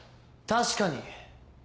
確かに。